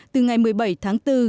từ ngày một mươi bảy tháng bốn